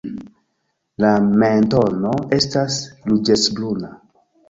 La mentono estas ruĝecbruna.